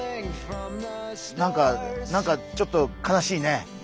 なんかなんかちょっと悲しいね。